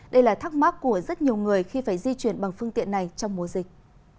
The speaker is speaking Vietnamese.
đây là thắc mắc của rất nhiều người khi phải di chuyển bằng phương tiện này trong mùa dịch